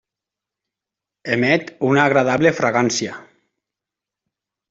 Emet una agradable fragància.